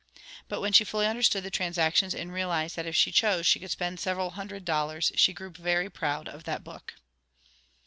But when she fully understood the transactions and realized that if she chose she could spend several hundred dollars, she grew very proud of that book.